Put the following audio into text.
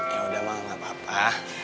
yaudah mama gak apa apa